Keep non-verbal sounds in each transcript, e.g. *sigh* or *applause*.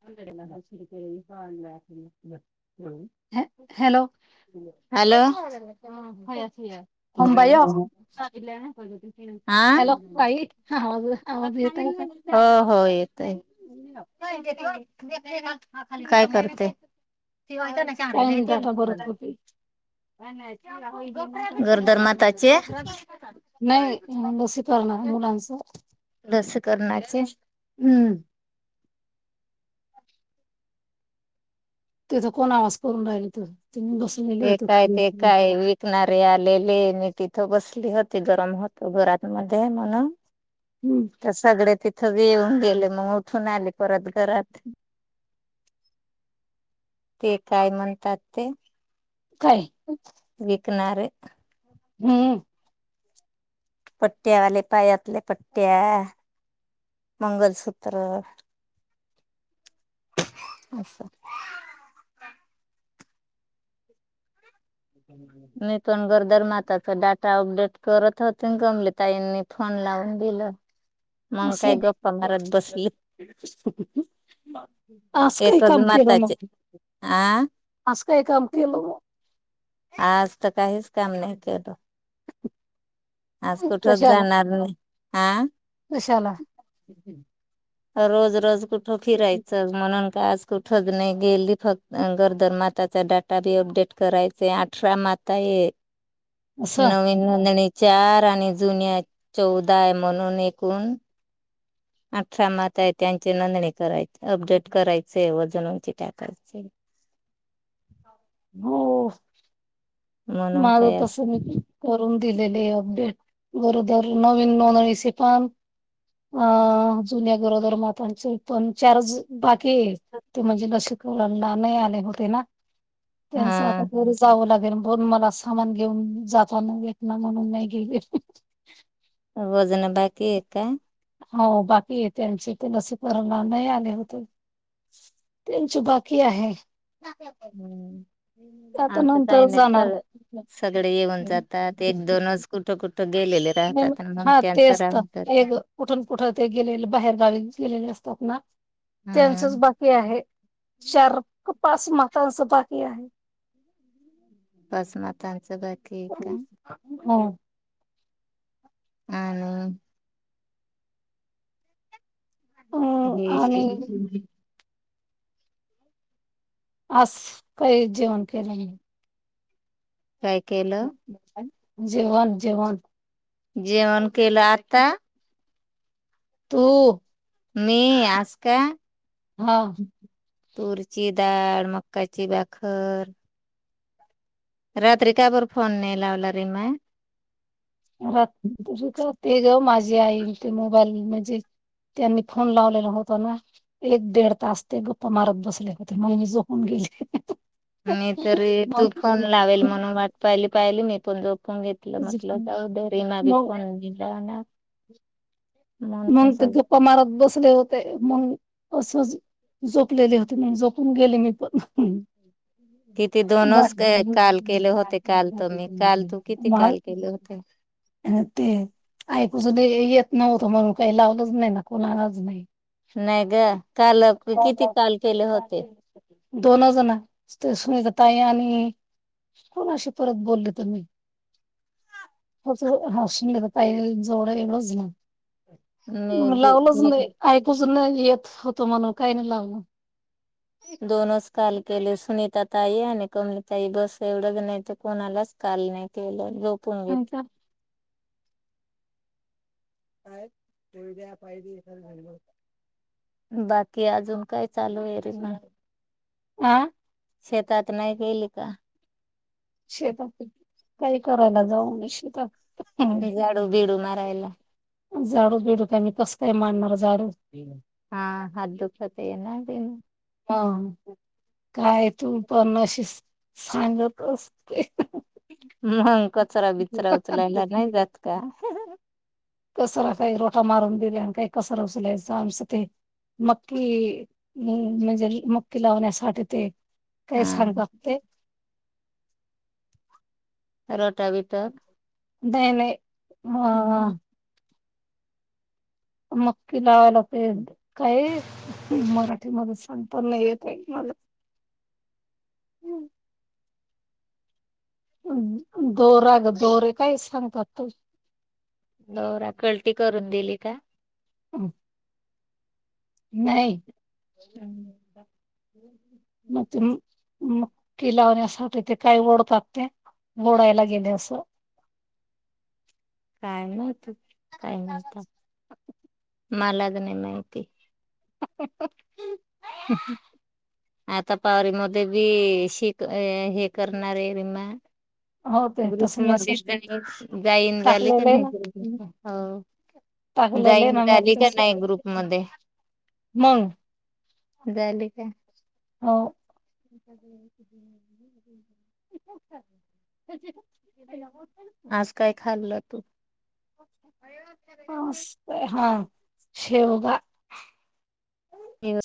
*unintelligible* हॅ hello hello. हल ये नाती अंबाई ओ हॅलो ताई आवाज आवाज येत आहे का? हा हो हो. काय करते? ती वात ना ताईंनी चारलाती ना त डाटा भरत मला. होते. गरोदर माताचे नाही लसीकरण हाय मुलांचं लसकरणाचे हम्म तिथं कोण आवाज करून राहिल तु ते काय ते काय विकणारे आलेले तिथं बसली होती गरम होत घरात मध्ये म्हण हम्म तर सगळे तिथ सगळे येऊन गेले मग उठून आले परत घरात. ते काय म्हणतात ते? काय? विकणाारे हम्म पट्टे आले पायातले प्ट्या मंगलसूत्र अच्छा नाही तो गरोदर माता चे डाटा अपडेट करत होते ग मले ताईंनी फोन लावून दिलं. मग अस काय गप्पा मारत बसली आज काही एकच काम केल मग माताचे आ आज काय काम केलं आज तर काहीच काम नाही केलं. आज कुठच कशाला जाणार नाही. आ कशाला रोज रोज कुठं फिरायचं म्हणून का आज कुठच नाही गेली फक्त गरोदर माताचा डाटा बी अपडेट करायचे अठरा माता आहे असं नवी नोंदणी चार आणि जुन्या चौदा आहे म्हणून एकूण *inaudible* आहे त्यांची नोंदणी करायची. अपडेट करायचे वजनंची टाकायचे. हो म्हणून माझं काय अस तस मी करून दिलेले आहे अपडेट. गरोदर नवीन नोंदणीचे पण अ जुन्या गरोदर मा पच पण चार ज बाकी ये ते म्हणजे लशीकरला नाही आले होते ना हा त्यांच आता घरी जावं लाग पण मला सामान घेऊन जाताना भेटनार नाही म्हणून नाही गेले. वजन बाकी ए का हो बाकी हे त्यांचे ते लसीकरणला नाही आले होते. त्यांचे बाकी आहे हम्म आता आनत नंतर जाणार. कायनाहीसगळ सगळे येऊन जातात एक दोनच कुठं कुठ हा तेच तर जात एक कुठून कुठ ते गेलेलं बाहेर गावी गेलेले असत असतात ना हा त्यांचच बाकी आहे शहरात पाच मातांच बाकी आहे. बस मातांचंब बाकी ये का हो हं अ हे आणि अ आस काही जेवण के नाही काय केलं जेवण जेवण. जेवन केलं आता तो मी आज का हा तूरची डाळ मक्काची बाखर रात्री कायपर फोन नाही लावला रिमा र तुझ का ते ग माझे आईल ते मोबाईल म्हणजे त्यांनी फोन लावलेला होत ना एक दड तास ते गप्प मारत बसले होते महि झोपून गेली मी तरी तू फोन लावेल म्हणून वाट पाहिली पाहिली मी पण जो घेतलं मतल जाऊ दरीमा बी मग फोन घलाना मग ते गप्पा मारत बसले होते मग असो जपलेली होती म जोपून गेली मी पण किती दोनच वाड क- केंद्र काल केले होते काल तर मी काल तू किती काल केले होते आणि ते ईपजून येत नव्हतं म्हणून काही लावलंच नाही ना कोणालाच नाही नाही ग काल किती हो काल केले होते दोन जण ते सुनीता ताई आणि कोण अशी परत बोलले तर मी हो त हसून घ पा जवळ एढंच मी ना बी- लावलच मी नाही ऐकूच नाही येत होतो म्हणून काही नाही लावलं दोनच काल केले सुनीता ताई आणि कमलतााई बस एवढंच नाही ते कोणालाच काल नाही केलं झोपून आणि घेत का काद्या पाहि बाकी अजून काय चालू आहे रे ना आह शेतात नाही केली का शेतात काही करायला जाऊ न शेतात यला झाडू बिडूत मी कसं काय मांडणार झाडू हा ह दुखते ये नान हा काय तू पण अशी सांगत असते मंग कचरा बिचरा उचलायला नाही जात का कसरा काही रोटा मारून दिल्या आणि काही कसरा उचलायच आमचं ते मक्की म्हणजे मक्की लावण्यासाठी ते काही हा छांान लागते रोट बीटर नाही नाही अ मक्की लावायला ते काय मराठी म सगता नाही येत आहे माझ हम् दोरा ग दोरे काय सांगतात तू बरा कल्ट करून दिली का हम नाही हम्म् म कि लावण्यासाठी तेे काही ओढतात ते ओढायला गेले असं *inaudible* काय मात काय म्हणत मला नाही माहिती *inaudible* हम् हम आता पावरी म बी शिक हे करणार आहे रिमा हो ते ग्रुस तस मध्ये मेसेज जाईन झाले का टाकलेलं आहे ना नाही टाकलेलं आहे जाईन ना झाली का मेसेज नाही ग्रुप म मग बल का हो आज काय खाल्लं तू? असं, हा शेवगा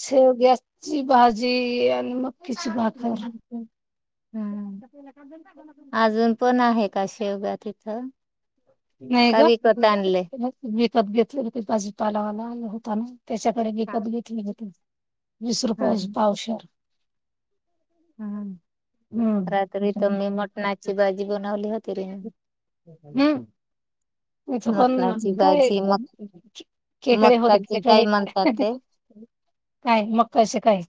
शेवग्याची भाजी आणि मक्याची भाकर. हम्म. अजून पण आहे का शेवगा तिथं? नाही का ग. विकत आणले? मी विकत घेतले होते ते भाजीपालवाला होता ना. त्याच्याकडे विकत घेतली होती. वीस रुपयाची पावशेर. हम्म. हम्म रात्री तर मी मटणाची भाजी बनवली होती रे. हम्म. मटणाची पण काय भाजी मग खेकडे होते मक्काची काय खेकडे. म्हणतात ते? काय मग कसे काय?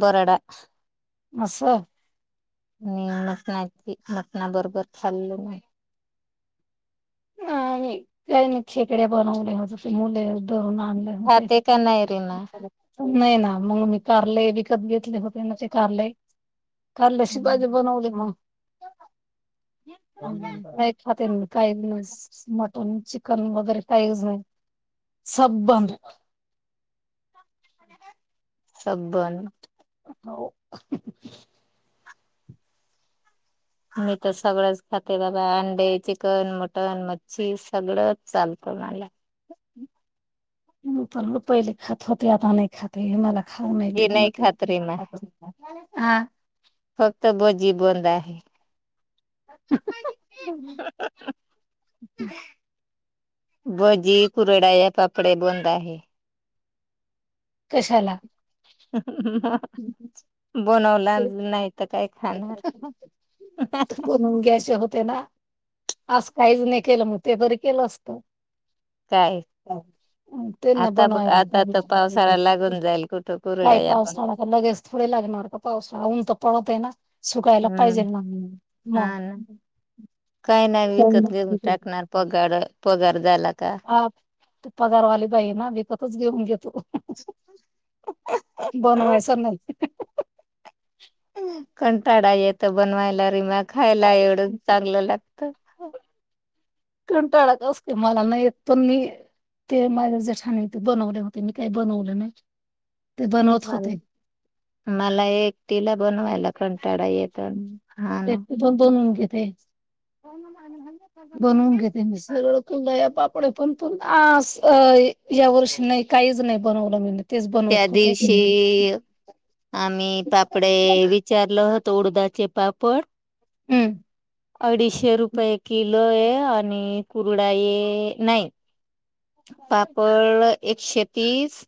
बरडा अस- मी मटणाची मटणा बरोबर खाल्ल नाही. नाही. काही नाही खेकडे बनवले *unintelligible* खाते का नाही रीमा? *unintelligible* नाही ना मंग मी कारले - विकत घेतले होते ना ते कारले? कारल्याची भाजी बनवली मग. काय खाते नि काय नाही बस. मटन, चिकन वगैरे काहीच नाही. सब बंद. सब बंद. होव. मी तर सगळंच खाते बाबा. अंडे, चिकन, मटन, मच्छी सगळंच चालत. *unintelligible* पहिले खात होते. आता नाही खात *unintelligible* खाऊ नाही हे देत म ते. खात रीमा. हा. त भजी बंद आहे. *inaudible* भजी कुरडया पापडे बंद आहे. कशाला? बनवला नाही तर काय? खाणार बनवून घ्यायचे होते ना? आस काहीच नाही केलं. मग ते बरी केलं असत. काय? ते ना आता बनवाय आता माझ तर पावसाळा लागून जाईल कुठं *unintelligible* काय कुरडया पण पावसाळा का लगेच थोडे लागणार का? पावसाळा, ऊन तर पडत आहे ना? सुकायला पाहिजे हम्म. ना मग हा ना. काही नाही विकत घेऊन टाकणार पगार, पगार झाला - हा. ते पगारवाले बाई ना विकतच घेऊन घेत. त बनवायच नाही. कंटाळा येतो बनवायला रिमा. खायला एवढ चांगलं लाग- त. कंटाळा त मला अस काही नाही येत. पण मी - ते माझ्या जे छान हो ते बनवले होते. मी काही बनवले नाही. ते बनवत होते. मला एकटीला बनवायला कंटाळा येतो. हा ना. तेच. *unintelligible* बनवून घेते मी सरळ कुरडया पापड पण, पण आसय -या वर्षी नाही काहीच- नाही बनवलं *unintelligible* त्या होते दिवशी आम्ही पापडे हम्म विचारल होत? ऊडदाचे पापड. हम्म. अडीचशे रुपये किलो ये आणि कुरडाई -नाही. पापड एकशे तीस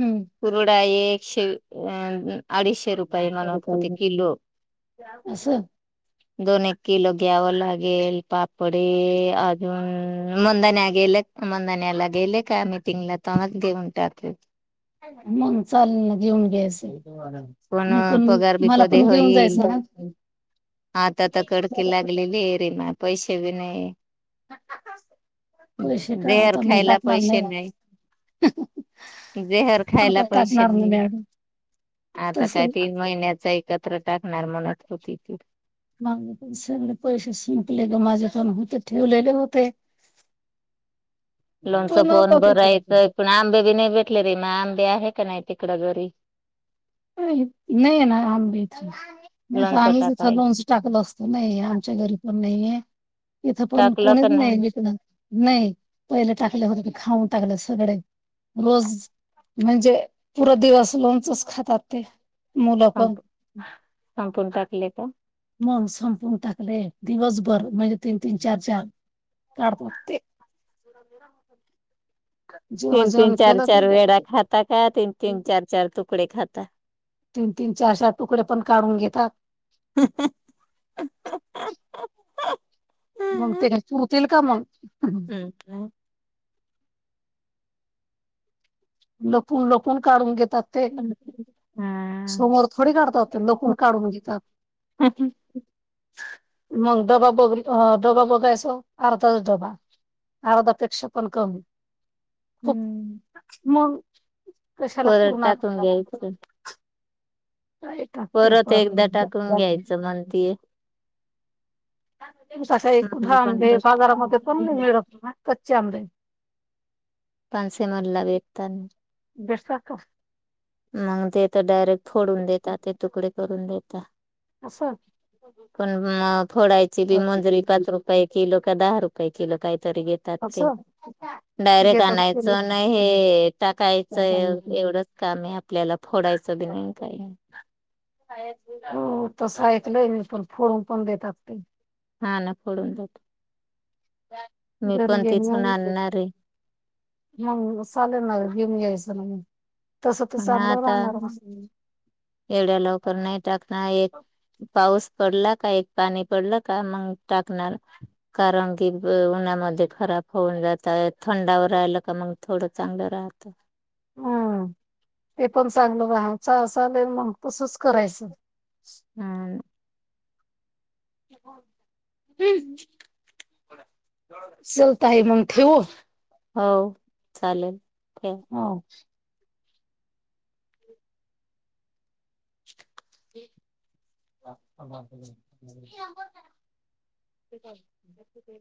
हम्म कुरडाई एकशे अ अडीचशे रुप *inaudible* मला वाटत ते किलो असं दोन एक किलो घ्यावं लागेल, पापडी अजून हम् मुंदने गेले मुंदन्याला गेले का मीटिंग ला तवा देऊन टाक मग चाल ना घेऊन घ्यायचं स मी पण, पगार बी मला कधी पण घेऊन होईल जायचं ना? आता तर कडकी लागलेली रीमा, पैसे बी नाही. *unintelligible* पैसे का बेअर आता मग खायला टाकणार पैसे नाही. जेहर खायला आता पैसे टाकणार नाही नि. मॅडम आता तस काय तीन महिन्याच एकत्र टाकणार म्हणत होती ती. माझे पण सगळे पैसे संपले ग, माझे पण होते ठेवलेले होते. *inaudible* लोणचं पण फोन बघ भरायचं पण आंबे बी नाही भे ले रीमा आंबे आहे का नाही तिकडं घरी? अ नाहीये ना आंबे. नाही तर लोणचं आम्हीच इथं टाकाय लोन्स टाकलं असतो ना हे, आमच्या घरी पण नाहीय इथं पण टाकलं कोणीच का नाही विकलं, नाही पहिले टाकले होते ते खाऊन. टाकले सगळे, रोज म्हणजे पुरं दिवस लोणचंच खातात. ते मुलं पण, संप संपून टाकले का? मग संपून टाकलंय. दिवसभर म्हणजे तीन तीन चार चार. काढतात ते *unintelligible* जेव्हा तीन तीन जेवण चार केलं चार वेळा तर खाता का, तीन तीन चार चार तुकडे खाता? तीन तीन चार चार तुकडे पण काढून घेतात. *inaudible* मग ते पुरतील का मग? हम का? लपून लपून काढून घेतात ते. समोर थोडी काढतात ते लपून काढून घेतात. मग डबा अ डबा बघायचो अर्धाच डबा अर्धापेक्षा पण कमी. खूप हम्म, मग कशाला परत पुरणार टाकून घ्यायचं. काय टाकते परत पण एकदा टाकून घ्यायचं म्हणती. *inaudible* आहे कुठं पण आंबे बाजारामध्ये पण नाही टाक. मिळत ना कच्चे आंबे पानसे मॉल ला विकता ना. बेसतात का मग ते तर डायरेक्ट फोडून देतात ते तुकडे करून देता. असं? पण म फोडायची बी मजुरी पाच रुपये किलो का दहा रुपये किलो काय असं? डायरेक्ट घेतात ते आणायचं नाही लोक. हे टाकायचं एवढंच का नाय आपल्याला फोडायचं बी नाही काही हो तसं ऐकलंय मी पण फोडून पण देतात ते. हा ना फोडून देतात. गरजे *unintelligible* आणणार आहे. मग चालेल ना घेऊन घेयचं‌ ना म, तसं तर पण चांगलं आता राहणार ना? एवढ्या लवकर नाही टाकणार एक पाऊस पडला का एक पाणी पडलं का मग टाकणार, कारण की उन्हामध्ये खरा *unintelligible* जात थंडावर राहिलं का मग थोडं चांगलं राहतं. हम्म, ते पण चांगलं बा हचाले मग तसच करायचं. *inaudible* हम्म हम्म. चलता आहे मग ठेऊ. हो चालेल. ठेवा. हो. *unintelligible* ते *unintelligible*